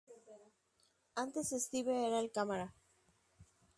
Antes Steve era el cámara.